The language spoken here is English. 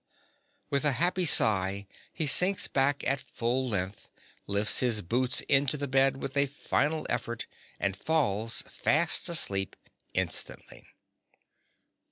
_) Ah! (_With a happy sigh he sinks back at full length; lifts his boots into the bed with a final effort; and falls fast asleep instantly.